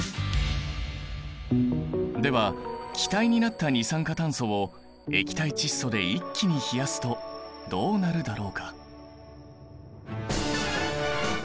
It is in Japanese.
では気体になった二酸化炭素を液体窒素で一気に冷やすとどうなるだろうか？